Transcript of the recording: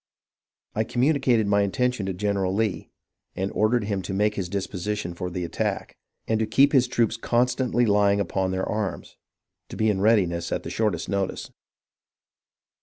I communicated my intention to General Lee, and ordered him to make his dis position for the attack, and to keep his troops constantly lying upon their arms, to be in readiness at the shortest notice.